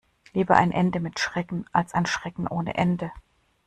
Lieber ein Ende mit Schrecken als ein Schrecken ohne Ende.